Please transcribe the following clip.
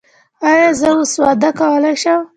ایا زه اوس واده کولی شم؟